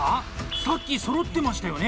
さっきそろってましたよね？